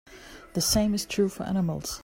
The same is true for animals.